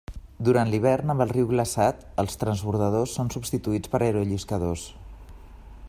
Durant l'hivern, amb el riu glaçat, els transbordadors són substituïts per aerolliscadors.